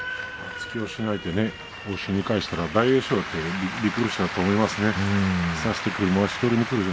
突き押しに対して押し返したから、大栄翔もびっくりしたと思いますよ。